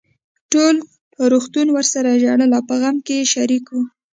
ټول روغتون ورسره ژړل او په غم کې يې شريک وو.